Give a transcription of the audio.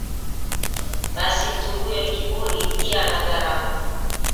basi mtu huyo ni kiburi pia ana dharau